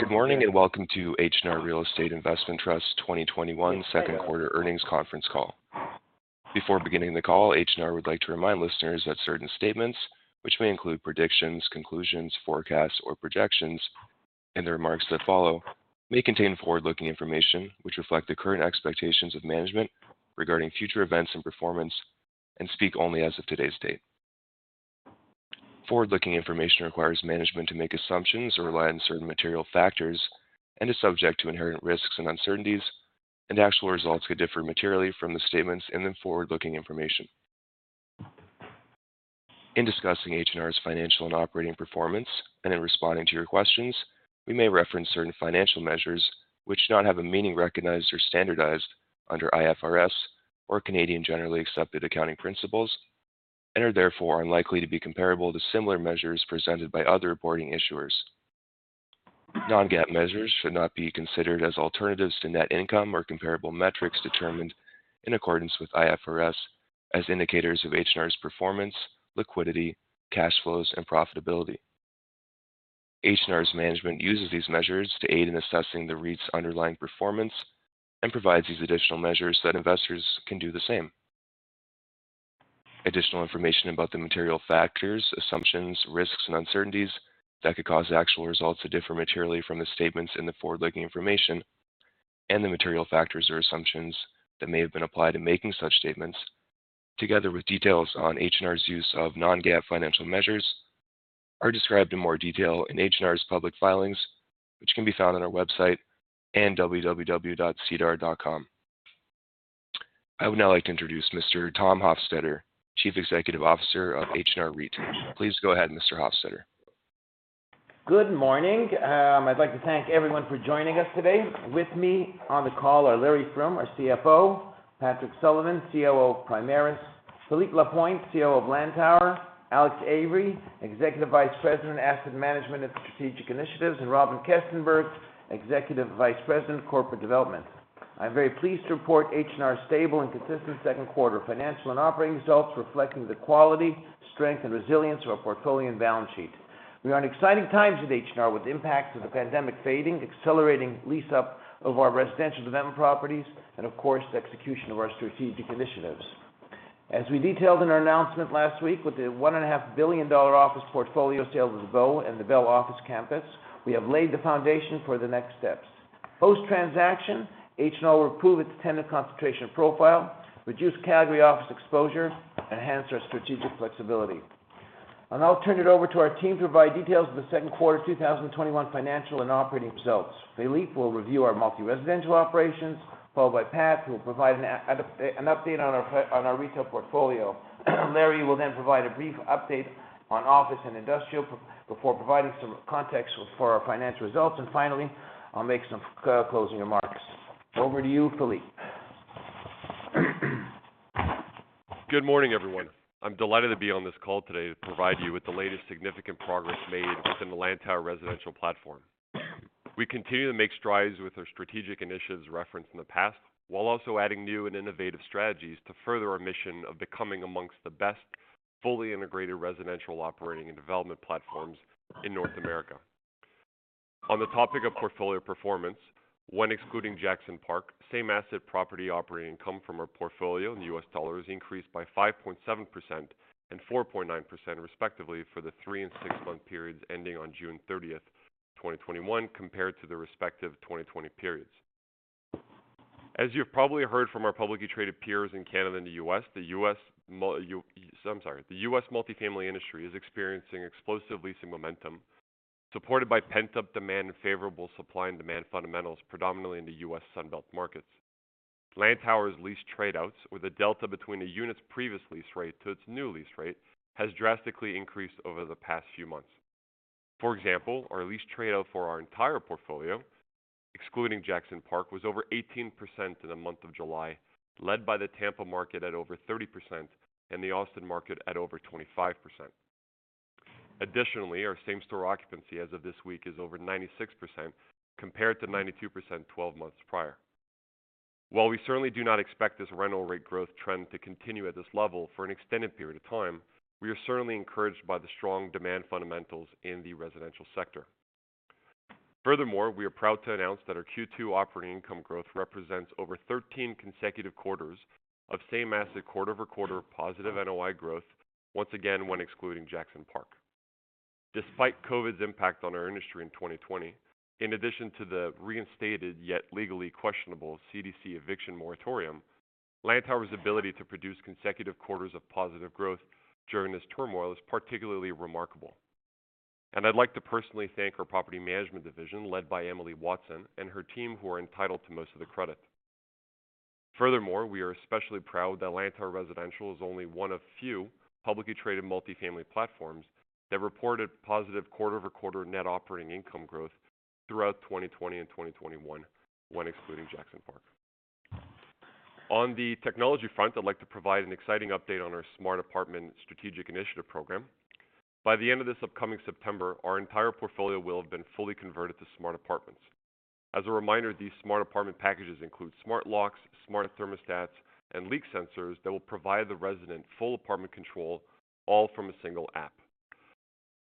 Good morning. Welcome to H&R Real Estate Investment Trust 2021 second quarter earnings conference call. Before beginning the call, H&R would like to remind listeners that certain statements, which may include predictions, conclusions, forecasts, or projections in the remarks that follow may contain forward-looking information which reflect the current expectations of management regarding future events and performance and speak only as of today's date. Forward-looking information requires management to make assumptions or rely on certain material factors, is subject to inherent risks and uncertainties, actual results could differ materially from the statements in the forward-looking information. In discussing H&R's financial and operating performance, in responding to your questions, we may reference certain financial measures which do not have a meaning recognized or standardized under IFRS or Canadian generally accepted accounting principles and are therefore unlikely to be comparable to similar measures presented by other reporting issuers. Non-GAAP measures should not be considered as alternatives to net income or comparable metrics determined in accordance with IFRS as indicators of H&R's performance, liquidity, cash flows, and profitability. H&R's management uses these measures to aid in assessing the REIT's underlying performance and provides these additional measures so that investors can do the same. Additional information about the material factors, assumptions, risks, and uncertainties that could cause actual results to differ materially from the statements in the forward-looking information and the material factors or assumptions that may have been applied in making such statements, together with details on H&R's use of non-GAAP financial measures, are described in more detail in H&R's public filings, which can be found on our website and www.sedar.com. I would now like to introduce Mr. Tom Hofstedter, Chief Executive Officer of H&R REIT. Please go ahead, Mr. Hofstedter. Good morning. I'd like to thank everyone for joining us today. With me on the call are Larry Froom, our CFO, Patrick Sullivan, COO of Primaris, Philippe Lapointe, COO of Lantower, Alex Avery, Executive Vice President, Asset Management and Strategic Initiatives, and Robyn Kestenberg, Executive Vice President of Corporate Development. I'm very pleased to report H&R's stable and consistent second quarter financial and operating results reflecting the quality, strength, and resilience of our portfolio and balance sheet. We are in exciting times at H&R with the impact of the pandemic fading, accelerating lease-up of our residential development properties, and of course, the execution of our strategic initiatives. As we detailed in our announcement last week with the 1.5 billion dollar office portfolio sale to The Bow and the Bell Office Campus, we have laid the foundation for the next steps. Post-transaction, H&R will improve its tenant concentration profile, reduce category office exposure, enhance our strategic flexibility. I'll now turn it over to our team to provide details of the second quarter 2021 financial and operating results. Philippe will review our multi-residential operations, followed by Pat, who will provide an update on our retail portfolio. Larry will provide a brief update on office and industrial before providing some context for our financial results. Finally, I'll make some closing remarks. Over to you, Philippe. Good morning, everyone. I'm delighted to be on this call today to provide you with the latest significant progress made within the Lantower Residential platform. We continue to make strides with our strategic initiatives referenced in the past, while also adding new and innovative strategies to further our mission of becoming amongst the best fully integrated residential operating and development platforms in North America. On the topic of portfolio performance, when excluding Jackson Park, same asset property operating income from our portfolio in U.S. dollars increased by 5.7% and 4.9% respectively for the three and six-month periods ending on June 30, 2021 compared to the respective 2020 periods. As you've probably heard from our publicly traded peers in Canada and the U.S., the U.S. multifamily industry is experiencing explosive leasing momentum, supported by pent-up demand and favorable supply and demand fundamentals, predominantly in the U.S. Sun Belt markets. Lantower's lease trade-outs, or the delta between a unit's previous lease rate to its new lease rate, has drastically increased over the past few months. For example, our lease trade-out for our entire portfolio, excluding Jackson Park, was over 18% in the month of July, led by the Tampa market at over 30% and the Austin market at over 25%. Additionally, our same-store occupancy as of this week is over 96% compared to 92% 12 months prior. While we certainly do not expect this rental rate growth trend to continue at this level for an extended period of time, we are certainly encouraged by the strong demand fundamentals in the residential sector. Furthermore, we are proud to announce that our Q2 operating income growth represents over 13 consecutive quarters of same asset quarter-over-quarter positive NOI growth, once again when excluding Jackson Park. Despite COVID's impact on our industry in 2020, in addition to the reinstated yet legally questionable CDC eviction moratorium, Lantower's ability to produce consecutive quarters of positive growth during this turmoil is particularly remarkable. I'd like to personally thank our property management division, led by Emily Watson and her team, who are entitled to most of the credit. We are especially proud that Lantower Residential is only one of few publicly traded multifamily platforms that reported positive quarter-over-quarter net operating income growth throughout 2020 and 2021, when excluding Jackson Park. On the technology front, I'd like to provide an exciting update on our Smart Apartment Strategic Initiative Program. By the end of this upcoming September, our entire portfolio will have been fully converted to smart apartments. As a reminder, these smart apartment packages include smart locks, smart thermostats, and leak sensors that will provide the resident full apartment control, all from a single app.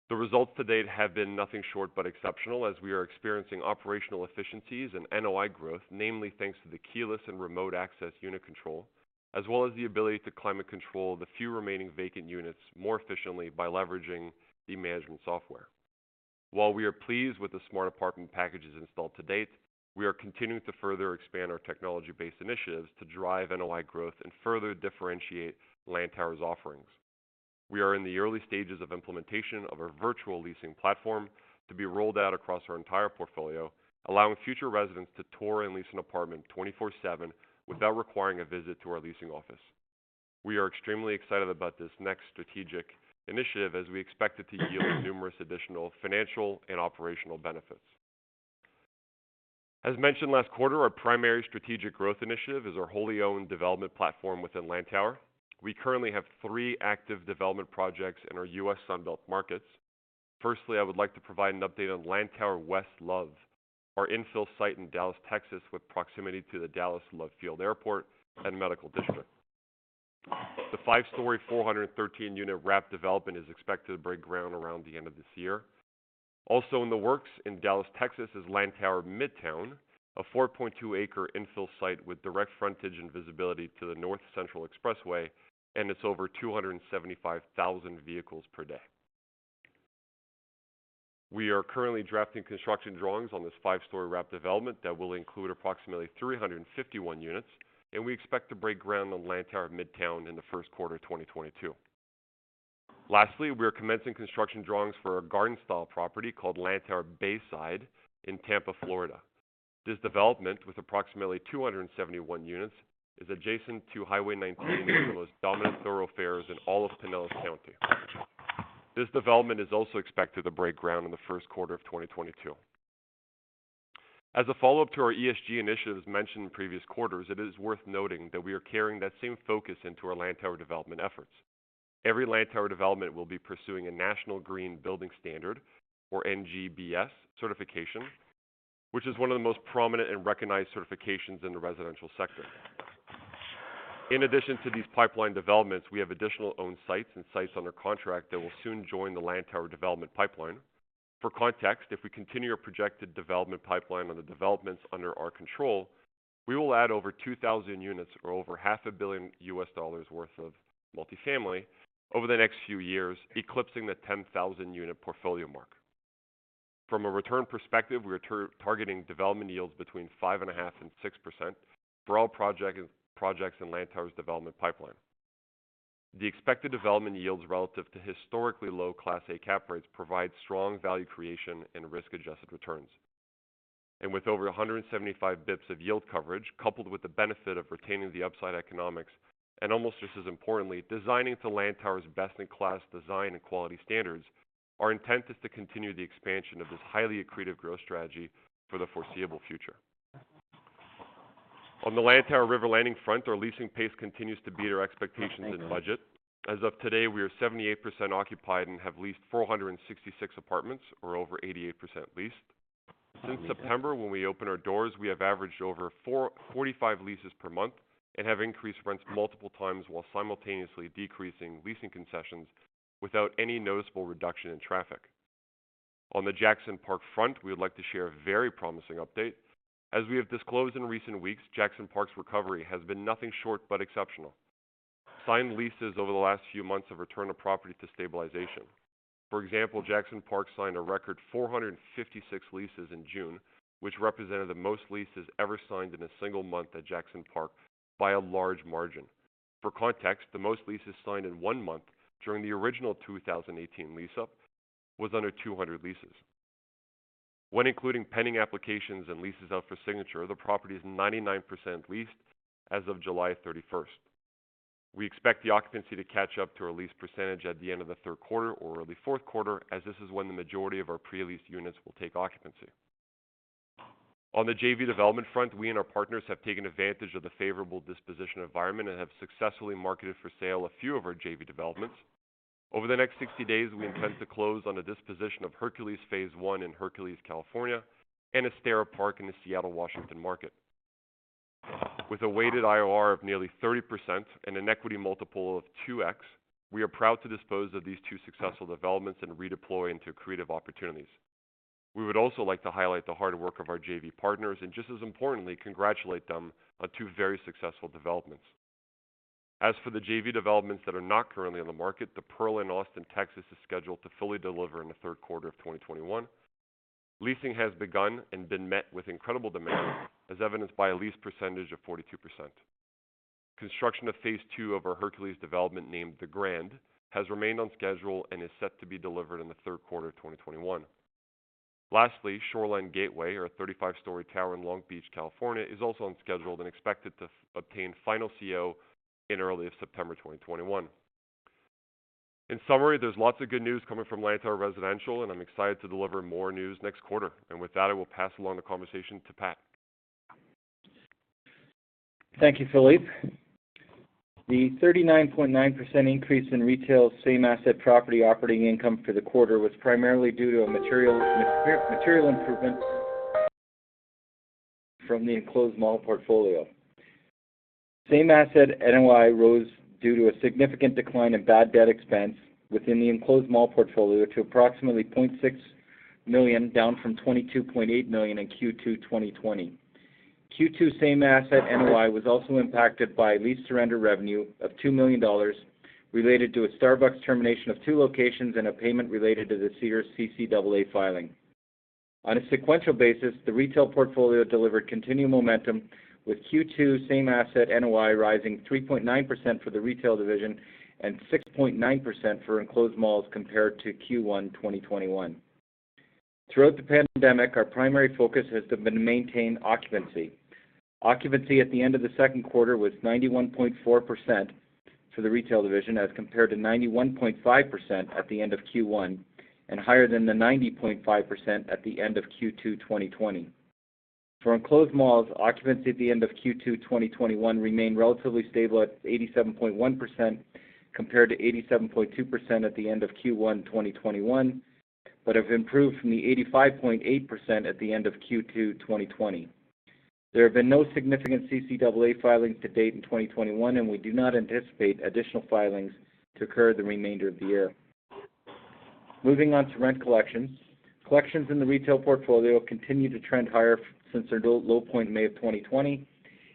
The results to date have been nothing short but exceptional as we are experiencing operational efficiencies and NOI growth, namely thanks to the keyless and remote access unit control, as well as the ability to climate control the few remaining vacant units more efficiently by leveraging the management software. While we are pleased with the smart apartment packages installed to date, we are continuing to further expand our technology-based initiatives to drive NOI growth and further differentiate Lantower's offerings. We are in the early stages of implementation of our virtual leasing platform to be rolled out across our entire portfolio, allowing future residents to tour and lease an apartment 24/7 without requiring a visit to our leasing office. We are extremely excited about this next strategic initiative as we expect it to yield numerous additional financial and operational benefits. As mentioned last quarter, our primary strategic growth initiative is our wholly owned development platform within Lantower. We currently have three active development projects in our U.S. Sun Belt markets. Firstly, I would like to provide an update on Lantower West Love, our infill site in Dallas, Texas, with proximity to the Dallas Love Field Airport and medical district. The five-story, 413-unit wrap development is expected to break ground around the end of this year. Also in the works in Dallas, Texas, is Lantower Midtown, a 4.2 acres infill site with direct frontage and visibility to the North Central Expressway and its over 275,000 vehicles per day. We are currently drafting construction drawings on this 5-story wrap development that will include approximately 351 units, and we expect to break ground on Lantower Midtown in the 1st quarter of 2022. Lastly, we are commencing construction drawings for a garden-style property called Lantower Bayside in Tampa, Florida. This development, with approximately 271 units, is adjacent to Highway 19, one of the most dominant thoroughfares in all of Pinellas County. This development is also expected to break ground in the 1st quarter of 2022. As a follow-up to our ESG initiatives mentioned in previous quarters, it is worth noting that we are carrying that same focus into our Lantower development efforts. Every Lantower development will be pursuing a National Green Building Standard, or NGBS, certification, which is one of the most prominent and recognized certifications in the residential sector. In addition to these pipeline developments, we have additional owned sites and sites under contract that will soon join the Lantower development pipeline. For context, if we continue our projected development pipeline on the developments under our control, we will add over 2,000 units or over half a billion US dollars worth of multifamily over the next few years, eclipsing the 10,000-unit portfolio mark. From a return perspective, we are targeting development yields between 5.5% and 6% for all projects in Lantower's development pipeline. The expected development yields relative to historically low Class A cap rates provide strong value creation and risk-adjusted returns. With over 175 bips of yield coverage, coupled with the benefit of retaining the upside economics, and almost just as importantly, designing to Lantower's best-in-class design and quality standards, our intent is to continue the expansion of this highly accretive growth strategy for the foreseeable future. On the Lantower River Landing front, our leasing pace continues to beat our expectations and budget. As of today, we are 78% occupied and have leased 466 apartments, or over 88% leased. Since September when we opened our doors, we have averaged over 45 leases per month and have increased rents multiple times while simultaneously decreasing leasing concessions without any noticeable reduction in traffic. On the Jackson Park front, we would like to share a very promising update. As we have disclosed in recent weeks, Jackson Park's recovery has been nothing short but exceptional. Signed leases over the last few months have returned the property to stabilization. For example, Jackson Park signed a record 456 leases in June, which represented the most leases ever signed in a single month at Jackson Park by a large margin. For context, the most leases signed in one month during the original 2018 lease-up was under 200 leases. When including pending applications and leases out for signature, the property is 99% leased as of July 31st. We expect the occupancy to catch up to our lease percentage at the end of the third quarter or early fourth quarter, as this is when the majority of our pre-leased units will take occupancy. On the JV development front, we and our partners have taken advantage of the favorable disposition environment and have successfully marketed for sale a few of our JV developments. Over the next 60 days, we intend to close on a disposition of Hercules Phase One in Hercules, California, and Esterra Park in the Seattle, Washington market. With a weighted IRR of nearly 30% and an equity multiple of 2x, we are proud to dispose of these two successful developments and redeploy into accretive opportunities. We would also like to highlight the hard work of our JV partners, and just as importantly, congratulate them on two very successful developments. As for the JV developments that are not currently on the market, The Pearl in Austin, Texas, is scheduled to fully deliver in the third quarter of 2021. Leasing has begun and been met with incredible demand, as evidenced by a lease percentage of 42%. Construction of Phase two of our Hercules development, named The Grand, has remained on schedule and is set to be delivered in the third quarter of 2021. Shoreline Gateway, our 35-story tower in Long Beach, California, is also on schedule and expected to obtain final CO in early September 2021. There's lots of good news coming from Lantower Residential, and I'm excited to deliver more news next quarter. With that, I will pass along the conversation to Pat. Thank you, Philippe. The 39.9% increase in retail same asset property operating income for the quarter was primarily due to a material improvement from the enclosed mall portfolio. Same asset NOI rose due to a significant decline in bad debt expense within the enclosed mall portfolio to approximately 0.6 million, down from 22.8 million in Q2 2020. Q2 same asset NOI was also impacted by lease surrender revenue of 2 million dollars related to a Starbucks termination of two locations and a payment related to the Sears CCAA filing. On a sequential basis, the retail portfolio delivered continued momentum with Q2 same asset NOI rising 3.9% for the retail division and 6.9% for enclosed malls compared to Q1 2021. Throughout the pandemic, our primary focus has been to maintain occupancy. Occupancy at the end of the second quarter was 91.4% for the retail division as compared to 91.5% at the end of Q1 and higher than the 90.5% at the end of Q2 2020. For enclosed malls, occupancy at the end of Q2 2021 remained relatively stable at 87.1%, compared to 87.2% at the end of Q1 2021, but have improved from the 85.8% at the end of Q2 2020. There have been no significant CCAA filings to date in 2021, and we do not anticipate additional filings to occur the remainder of the year. Moving on to rent collections. Collections in the retail portfolio continue to trend higher since their low point in May of 2020.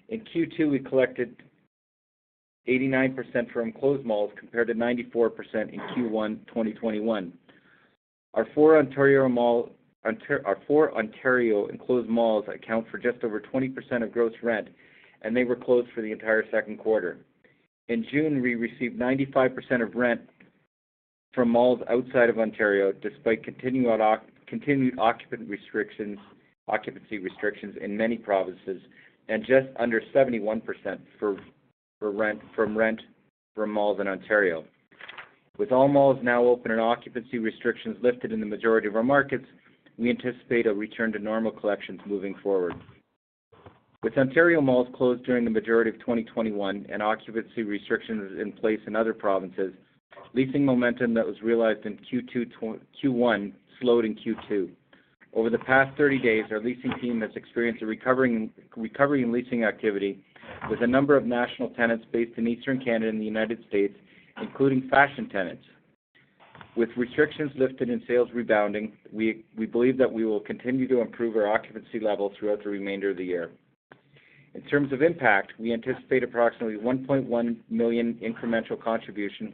In Q2, we collected 89% from enclosed malls, compared to 94% in Q1 2021. Our four Ontario enclosed malls account for just over 20% of gross rent, and they were closed for the entire second quarter. In June, we received 95% of rent from malls outside of Ontario, despite continued occupancy restrictions in many provinces, and just under 71% from rent from malls in Ontario. With all malls now open and occupancy restrictions lifted in the majority of our markets, we anticipate a return to normal collections moving forward. With Ontario malls closed during the majority of 2021 and occupancy restrictions in place in other provinces, leasing momentum that was realized in Q1 slowed in Q2. Over the past 30 days, our leasing team has experienced a recovery in leasing activity with a number of national tenants based in Eastern Canada and the U.S., including fashion tenants. With restrictions lifted and sales rebounding, we believe that we will continue to improve our occupancy level throughout the remainder of the year. In terms of impact, we anticipate approximately 1.1 million incremental contribution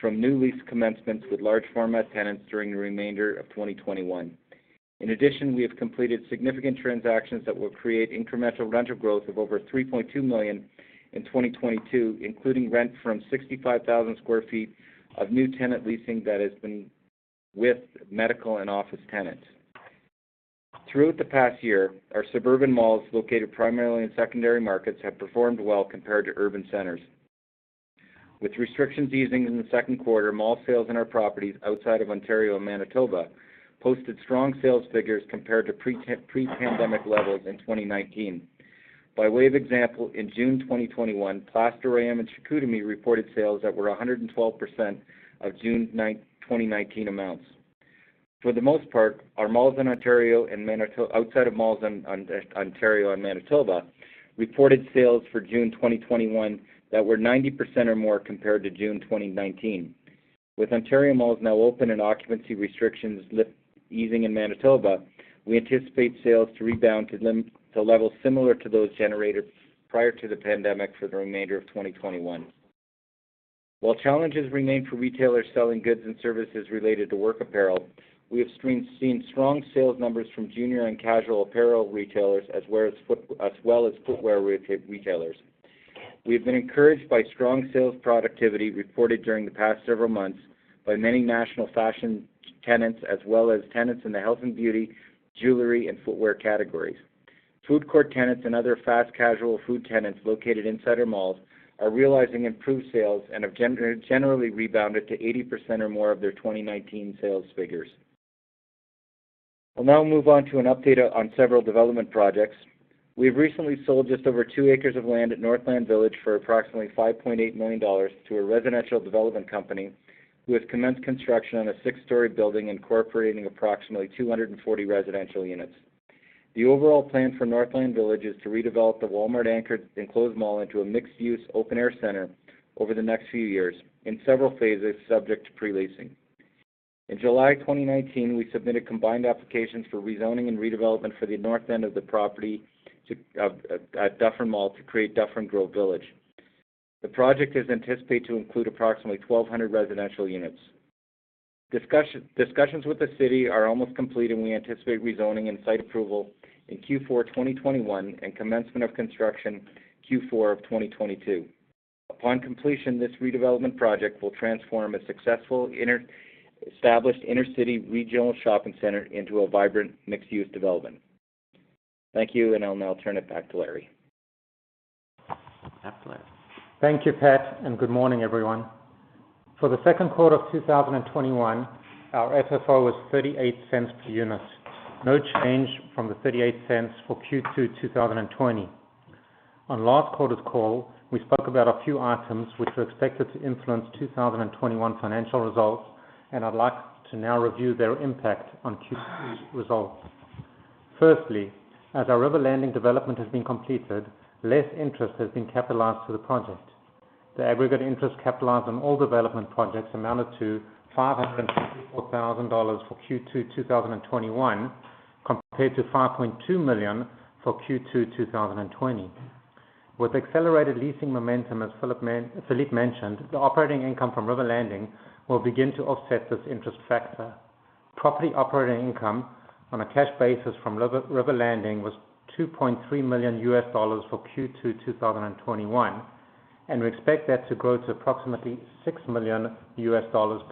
from new lease commencements with large format tenants during the remainder of 2021. In addition, we have completed significant transactions that will create incremental rental growth of over 3.2 million in 2022, including rent from 65,000 sq ft of new tenant leasing that has been with medical and office tenants. Throughout the past year, our suburban malls, located primarily in secondary markets, have performed well compared to urban centers. With restrictions easing in the second quarter, mall sales in our properties outside of Ontario and Manitoba posted strong sales figures compared to pre-pandemic levels in 2019. By way of example, in June 2021, Plastirame and Chicoutimi reported sales that were 112% of June 9, 2019 amounts. For the most part, our malls outside of Ontario and Manitoba reported sales for June 2021 that were 90% or more compared to June 2019. With Ontario malls now open and occupancy restrictions easing in Manitoba, we anticipate sales to rebound to levels similar to those generated prior to the pandemic for the remainder of 2021. While challenges remain for retailers selling goods and services related to work apparel, we have seen strong sales numbers from junior and casual apparel retailers, as well as footwear retailers. We have been encouraged by strong sales productivity reported during the past several months by many national fashion tenants, as well as tenants in the health and beauty, jewelry, and footwear categories. Food court tenants and other fast casual food tenants located inside our malls are realizing improved sales and have generally rebounded to 80% or more of their 2019 sales figures. I'll now move on to an update on several development projects. We have recently sold just over two acres of land at Northland Village for approximately 5.8 million dollars to a residential development company who has commenced construction on a six-story building incorporating approximately 240 residential units. The overall plan for Northland Village is to redevelop the Walmart anchored enclosed mall into a mixed-use open-air center over the next few years in several phases subject to pre-leasing. In July 2019, we submitted combined applications for rezoning and redevelopment for the north end of the property at Dufferin Mall to create Dufferin Grove Village. The project is anticipated to include approximately 1,200 residential units. Discussions with the city are almost complete. We anticipate rezoning and site approval in Q4 2021 and commencement of construction Q4 of 2022. Upon completion, this redevelopment project will transform a successful established inner-city regional shopping center into a vibrant mixed-use development. Thank you, and I'll now turn it back to Larry. Back to Larry. Thank you, Pat, and good morning, everyone. For the second quarter of 2021, our FFO was 0.38 per unit. No change from the 0.38 for Q2 2020. On last quarter's call, we spoke about a few items which were expected to influence 2021 financial results, and I'd like to now review their impact on Q2 results. Firstly, as our River Landing development has been completed, less interest has been capitalized for the project. The aggregate interest capitalized on all development projects amounted to 554,000 dollars for Q2 2021, compared to 5.2 million for Q2 2020. With accelerated leasing momentum, as Philippe mentioned, the operating income from River Landing will begin to offset this interest factor. Property operating income on a cash basis from River Landing was CAD 2.3 million for Q2 2021, and we expect that to grow to approximately CAD 6 million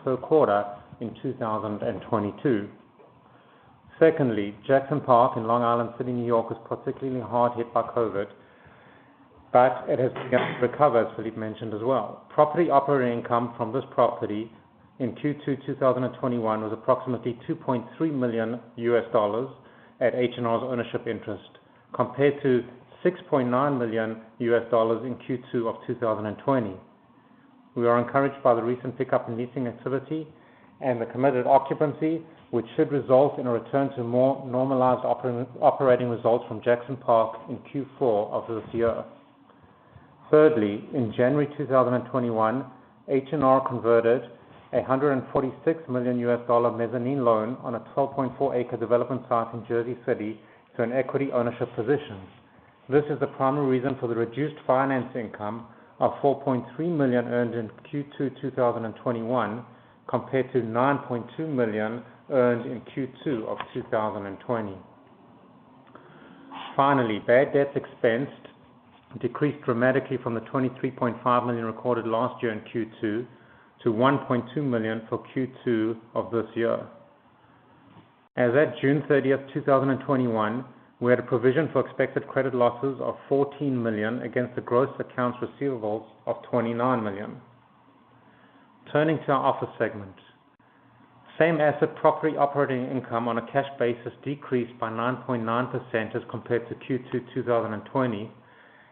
per quarter in 2022. Jackson Park in Long Island City, New York, was particularly hard hit by COVID, but it has begun to recover, as Philip mentioned as well. Property operating income from this property in Q2 2021 was approximately $2.3 million at H&R's ownership interest, compared to $6.9 million in Q2 of 2020. We are encouraged by the recent pickup in leasing activity and the committed occupancy, which should result in a return to more normalized operating results from Jackson Park in Q4 of this year. In January 2021, H&R converted a $146 million mezzanine loan on a 12.4-acre development site in Jersey City to an equity ownership position. This is the primary reason for the reduced finance income of $4.3 million earned in Q2 2021, compared to $9.2 million earned in Q2 of 2020. Finally, bad debts expensed decreased dramatically from the 23.5 million recorded last year in Q2 to 1.2 million for Q2 of this year. As at June 30th 2021, we had a provision for expected credit losses of 14 million against the gross accounts receivables of 29 million. Turning to our office segment. Same as the property operating income on a cash basis decreased by 9.9% as compared to Q2 2020,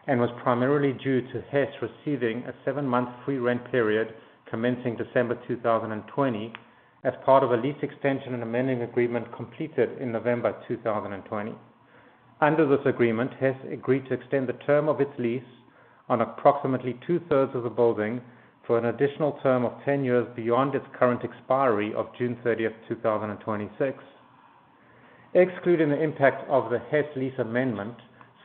and was primarily due to Hess receiving a seven-month free rent period commencing December 2020 as part of a lease extension and amending agreement completed in November 2020. Under this agreement, Hess agreed to extend the term of its lease on approximately 2/3 of the building for an additional term of 10 years beyond its current expiry of June 30th, 2026. Excluding the impact of the Hess lease amendment,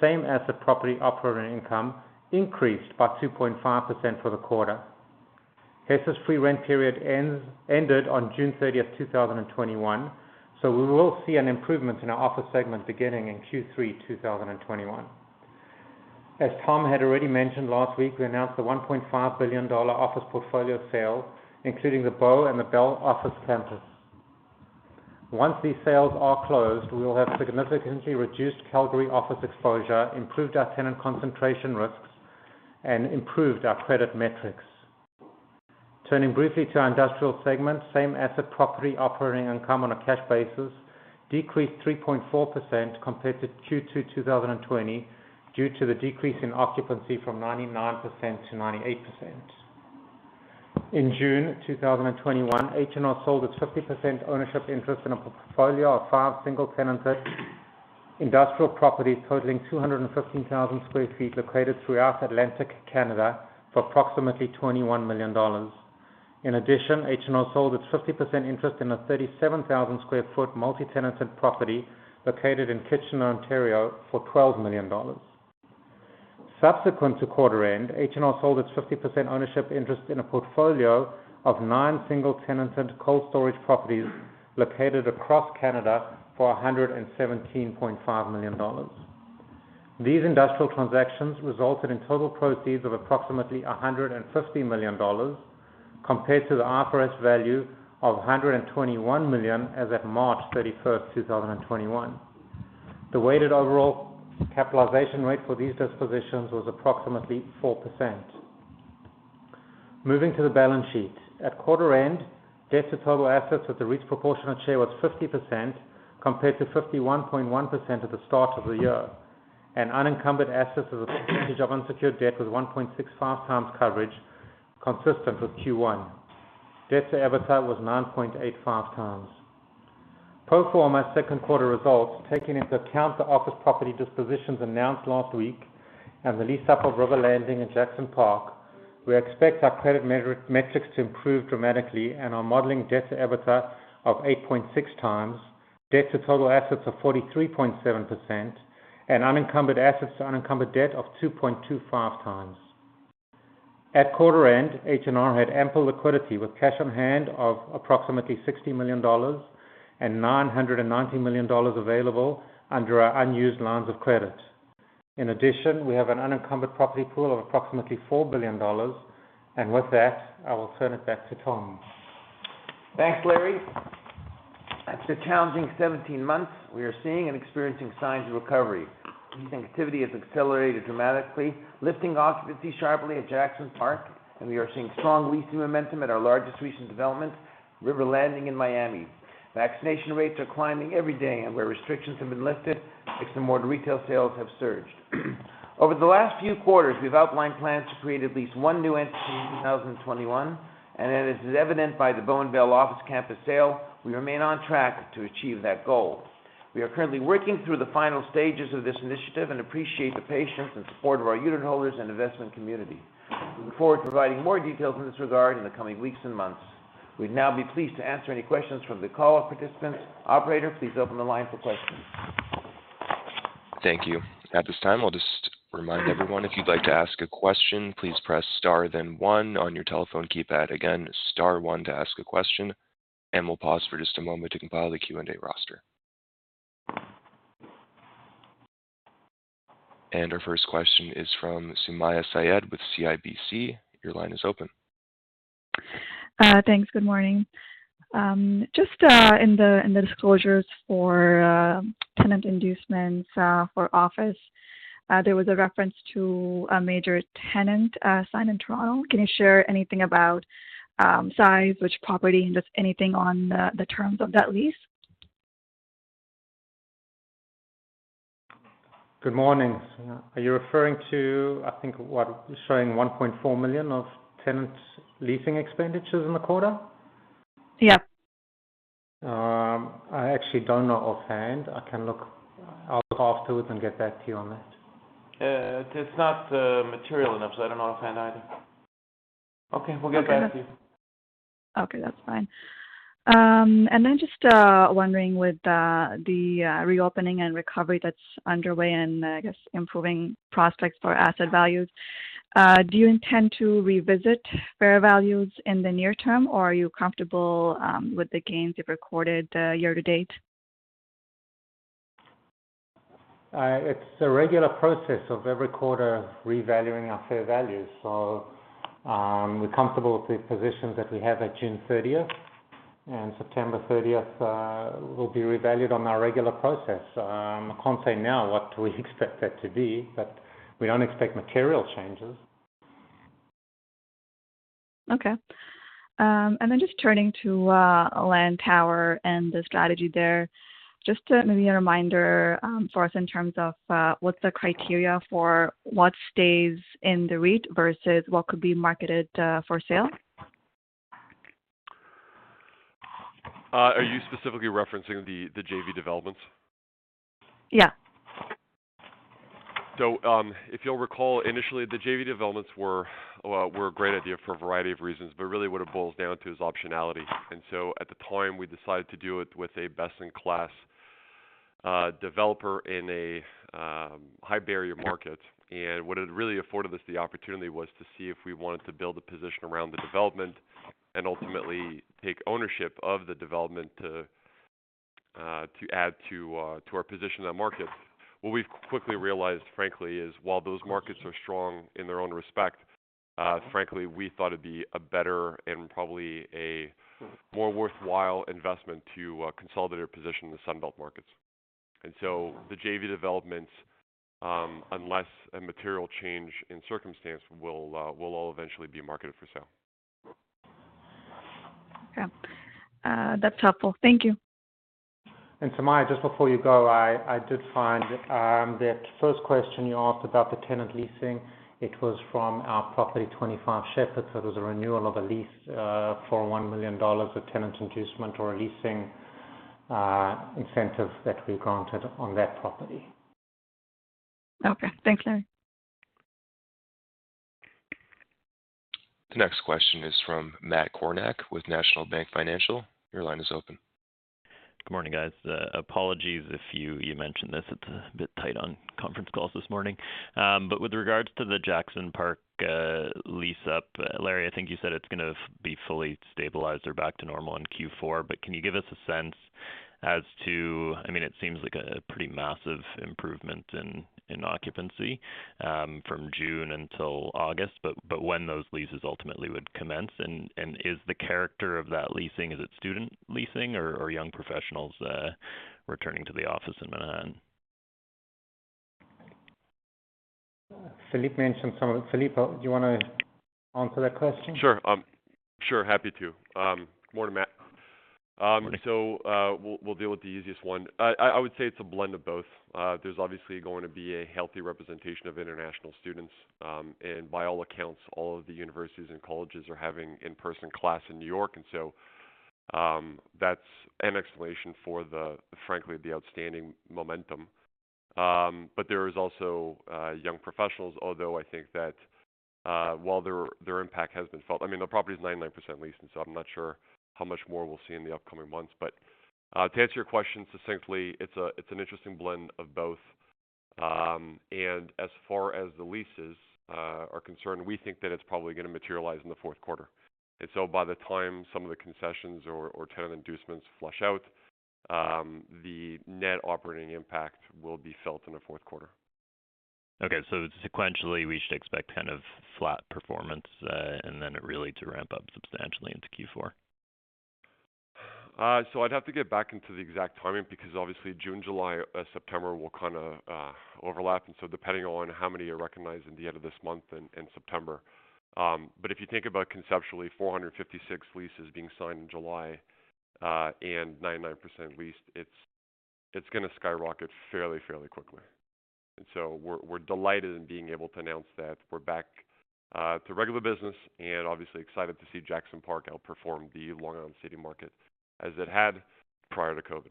same as the property operating income increased by 2.5% for the quarter. Hess' free rent period ended on June 30th, 2021. We will see an improvement in our office segment beginning in Q3 2021. As Tom had already mentioned last week, we announced the 1.5 billion dollar office portfolio sale, including The Bow and Bell Campus. Once these sales are closed, we will have significantly reduced Calgary office exposure, improved our tenant concentration risks, and improved our credit metrics. Turning briefly to our industrial segment, same as the property operating income on a cash basis decreased 3.4% compared to Q2 2020 due to the decrease in occupancy from 99% to 98%. In June 2021, H&R sold its 50% ownership interest in a portfolio of five single-tenant industrial properties totaling 215,000 sq ft located throughout Atlantic Canada for approximately 21 million dollars. In addition, H&R sold its 50% interest in a 37,000 square foot multi-tenanted property located in Kitchener, Ontario, for 12 million dollars. Subsequent to quarter end, H&R sold its 50% ownership interest in a portfolio of nine single-tenanted cold storage properties located across Canada for 117.5 million dollars. These industrial transactions resulted in total proceeds of approximately 150 million dollars, compared to the appraised value of 121 million as at March 31st, 2021. The weighted overall capitalization rate for these dispositions was approximately 4%. Moving to the balance sheet. At quarter end, debt to total assets at the REIT's proportionate share was 50%, compared to 51.1% at the start of the year, and unencumbered assets as a percentage of unsecured debt was 1.65 times coverage, consistent with Q1. Debt to EBITDA was 9.85 times. Pro forma second quarter results, taking into account the office property dispositions announced last week and the lease up of River Landing and Jackson Park, we expect our credit metrics to improve dramatically and our modeling debt to EBITDA of 8.6 times, debt to total assets of 43.7%, and unencumbered assets to unencumbered debt of 2.25 times. At quarter end, H&R had ample liquidity with cash on hand of approximately 60 million dollars and 990 million dollars available under our unused lines of credit. With that, I will turn it back to Tom. Thanks, Larry. After a challenging 17 months, we are seeing and experiencing signs of recovery. Leasing activity has accelerated dramatically, lifting occupancy sharply at Jackson Park, and we are seeing strong leasing momentum at our largest recent development, River Landing in Miami. Vaccination rates are climbing every day, and where restrictions have been lifted, bricks-and-mortar retail sales have surged. Over the last few quarters, we've outlined plans to create at least one new entity in 2021, and as is evident by The Bow and Bell Campus sale, we remain on track to achieve that goal. We are currently working through the final stages of this initiative and appreciate the patience and support of our unit holders and investment community. We look forward to providing more details in this regard in the coming weeks and months. We'd now be pleased to answer any questions from the call participants. Operator, please open the line for questions. Thank you. At this time, I'll just remind everyone, if you'd like to ask a question, please press star then one on your telephone keypad. Again, star one to ask a question, and we'll pause for just a moment to compile the Q&A roster. Our first question is from Sumayya Syed with CIBC. Your line is open. Thanks. Good morning. Just in the disclosures for tenant inducements for office, there was a reference to a major tenant sign in Toronto. Can you share anything about size, which property, and just anything on the terms of that lease? Good morning. Are you referring to, I think, what showing 1.4 million of tenant leasing expenditures in the quarter? Yeah. I actually don't know offhand. I'll look afterwards and get back to you on that. It's not material enough, so I don't know offhand either. Okay. We'll get back to you. Okay. That's fine. Just wondering with the reopening and recovery that's underway and, I guess, improving prospects for asset values, do you intend to revisit fair values in the near term, or are you comfortable with the gains you've recorded year to date? It's a regular process of every quarter revaluing our fair values. We're comfortable with the positions that we have at June 30th, and September 30th will be revalued on our regular process. I can't say now what we expect that to be, but we don't expect material changes. Okay. Just turning to Lantower and the strategy there, just maybe a reminder for us in terms of what's the criteria for what stays in the REIT versus what could be marketed for sale? Are you specifically referencing the JV developments? Yeah. If you'll recall, initially, the JV developments were a great idea for a variety of reasons, but really what it boils down to is optionality. At the time, we decided to do it with a best-in-class developer in a high-barrier market. What it really afforded us the opportunity was to see if we wanted to build a position around the development and ultimately take ownership of the development to add to our position in that market. What we've quickly realized, frankly, is while those markets are strong in their own respect, frankly, we thought it'd be a better and probably a more worthwhile investment to consolidate our position in the Sun Belt markets. The JV developments, unless a material change in circumstance, will all eventually be marketed for sale. Okay. That's helpful. Thank you. Sumayya, just before you go, I did find that 1st question you asked about the tenant leasing. It was from our property, 25 Sheppard. It was a renewal of a lease for 1 million dollars with tenant inducement or leasing incentives that we granted on that property. Okay. Thanks, Larry. The next question is from Matt Kornack with National Bank Financial. Your line is open. Good morning, guys. Apologies if you mentioned this. It's a bit tight on conference calls this morning. With regards to the Jackson Park lease-up, Larry, I think you said it's going to be fully stabilized or back to normal in Q4, but can you give us a sense as to it seems like a pretty massive improvement in occupancy from June until August, but when those leases ultimately would commence, and is the character of that leasing, is it student leasing or young professionals returning to the office in Manhattan? Philippe mentioned some of it. Philippe, do you want to answer that question? Sure. Sure, happy to. Morning, Matt. Morning. We'll deal with the easiest one. I would say it's a blend of both. There's obviously going to be a healthy representation of international students. By all accounts, all of the universities and colleges are having in-person class in N.Y., that's an explanation for the, frankly, the outstanding momentum. There is also young professionals, although I think that while their impact has been felt. The property is 99% leased, I'm not sure how much more we'll see in the upcoming months. To answer your question succinctly, it's an interesting blend of both. As far as the leases are concerned, we think that it's probably going to materialize in the fourth quarter. By the time some of the concessions or tenant inducements flush out, the net operating impact will be felt in the fourth quarter. Okay. Sequentially, we should expect kind of flat performance, and then it really to ramp up substantially into Q4. I'd have to get back into the exact timing, because obviously June, July, September will kind of overlap, depending on how many are recognized in the end of this month and September. If you think about conceptually 456 leases being signed in July, and 99% leased, it's going to skyrocket fairly quickly. We're delighted in being able to announce that we're back to regular business, and obviously excited to see Jackson Park outperform the Long Island City market as it had prior to COVID.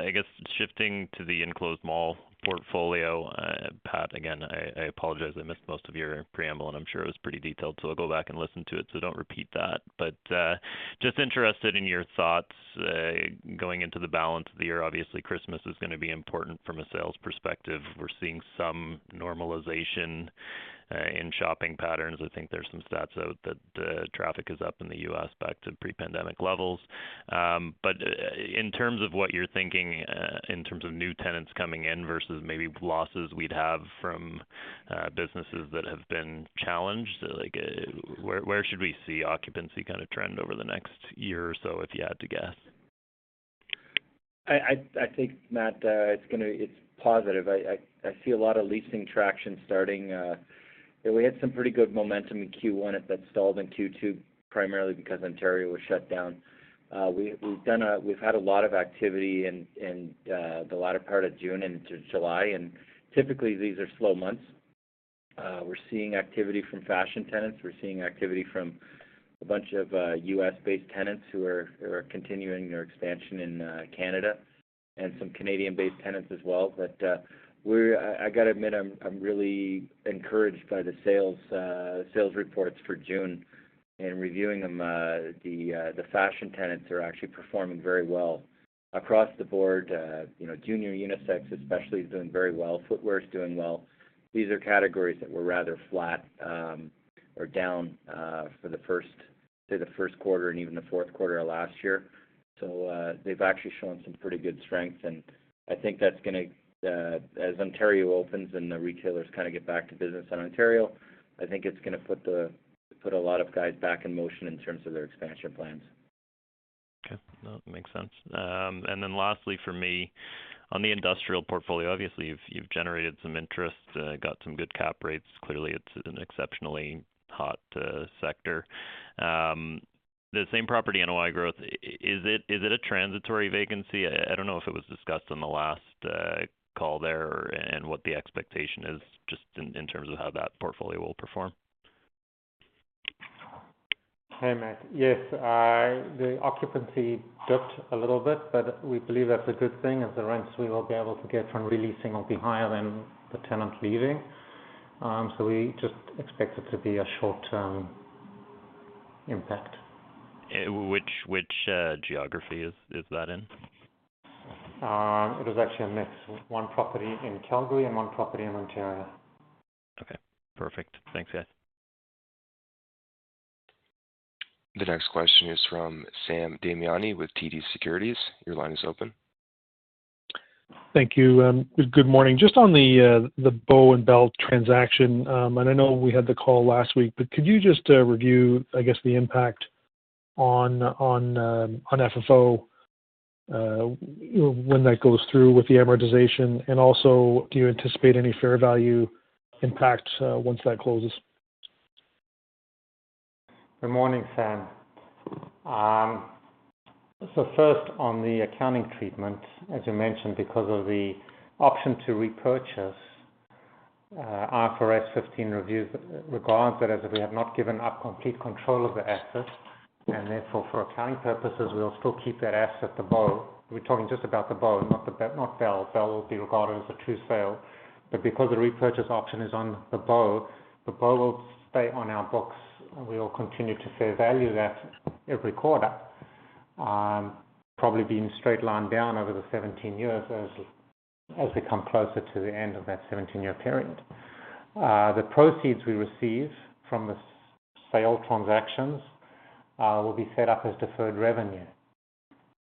I guess, shifting to the enclosed mall portfolio. Pat, again, I apologize, I missed most of your preamble, and I'm sure it was pretty detailed, so I'll go back and listen to it, so don't repeat that. Just interested in your thoughts, going into the balance of the year. Obviously Christmas is going to be important from a sales perspective. We're seeing some normalization in shopping patterns. I think there's some stats out that traffic is up in the U.S. back to pre-pandemic levels. In terms of what you're thinking, in terms of new tenants coming in versus maybe losses we'd have from businesses that have been challenged, where should we see occupancy kind of trend over the next one year or so, if you had to guess? I think, Matt, it's positive. I see a lot of leasing traction starting. We had some pretty good momentum in Q1 that stalled in Q2, primarily because Ontario was shut down. We've had a lot of activity in the latter part of June into July, and typically these are slow months. We're seeing activity from fashion tenants. We're seeing activity from a bunch of U.S.-based tenants who are continuing their expansion in Canada and some Canadian-based tenants as well. I got to admit, I'm really encouraged by the sales reports for June and reviewing them. The fashion tenants are actually performing very well across the board. Junior unisex especially is doing very well. Footwear is doing well. These are categories that were rather flat or down for the first quarter and even the fourth quarter of last year. They've actually shown some pretty good strengths, and I think as Ontario opens and the retailers kind of get back to business in Ontario, I think it's going to put a lot of guys back in motion in terms of their expansion plans. Okay. No, makes sense. Lastly for me, on the industrial portfolio, obviously you've generated some interest, got some good cap rates. Clearly, it's an exceptionally hot sector. The same property NOI growth, is it a transitory vacancy? I don't know if it was discussed on the last call there and what the expectation is just in terms of how that portfolio will perform. Hey, Matt. Yes, the occupancy dipped a little bit, but we believe that's a good thing as the rents we will be able to get from re-leasing will be higher than the tenants leaving. We just expect it to be a short-term impact. Which geography is that in? It is actually a mix. One property in Calgary and one property in Ontario. Okay, perfect. Thanks, guys. The next question is from Sam Damiani with TD Securities. Your line is open. Thank you. Good morning. Just on The Bow and Bell transaction, I know we had the call last week, but could you just review, I guess, the impact on FFO when that goes through with the amortization? Also, do you anticipate any fair value impact once that closes? Good morning, Sam. First on the accounting treatment, as you mentioned, because of the option to repurchase, IFRS 15 regards it as if we have not given up complete control of the asset, and therefore, for accounting purposes, we'll still keep that asset, The Bow. We're talking just about The Bow, not Bell. Bell will be regarded as a true sale. Because the repurchase option is on The Bow, The Bow will stay on our books, and we will continue to fair value that every quarter. Probably being straight lined down over the 17 years as we come closer to the end of that 17-year period. The proceeds we receive from the sale transactions will be set up as deferred revenue.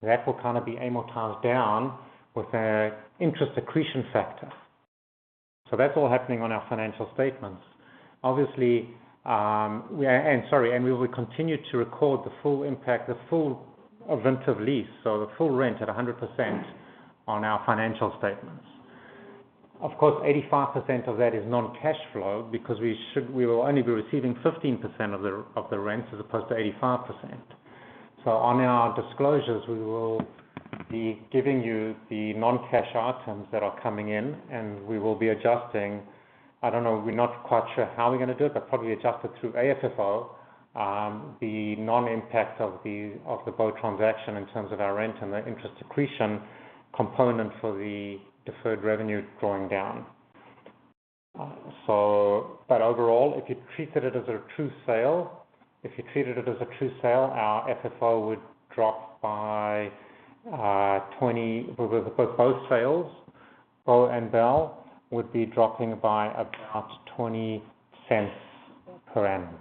That will kind of be amortized down with an interest accretion factor. That's all happening on our financial statements. We will continue to record the full impact, the full event of lease, so the full rent at 100% on our financial statements. Of course, 85% of that is non-cash flow because we will only be receiving 15% of the rent as opposed to 85%. On our disclosures, we will be giving you the non-cash items that are coming in, and we will be adjusting. I don't know, we are not quite sure how we are going to do it, but probably adjust it through AFFO, the non-impact of The Bow transaction in terms of our rent and the interest accretion component for the deferred revenue going down. Overall, if you treated it as a true sale, our FFO would drop by 0.20. Both sales, The Bow and Bell, would be dropping by about 0.20 per annum.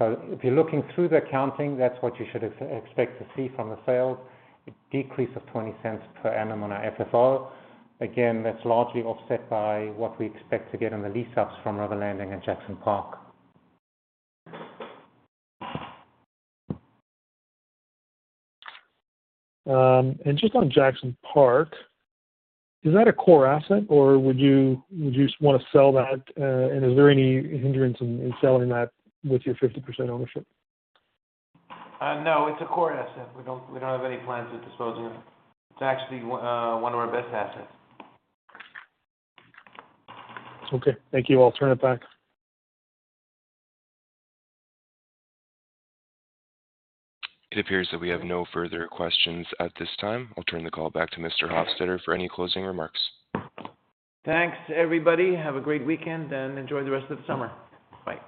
If you're looking through the accounting, that's what you should expect to see from the sales. A decrease of 0.20 per annum on our FFO. Again, that's largely offset by what we expect to get on the lease ups from River Landing and Jackson Park. Just on Jackson Park, is that a core asset or would you just want to sell that? Is there any hindrance in selling that with your 50% ownership? No, it's a core asset. We don't have any plans to dispose of it. It's actually one of our best assets. Okay. Thank you. I'll turn it back. It appears that we have no further questions at this time. I'll turn the call back to Mr. Hofstedter for any closing remarks. Thanks, everybody. Have a great weekend and enjoy the rest of the summer. Bye.